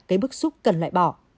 cái bức xúc cần loại bỏ